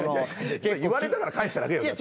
言われたから返しただけ。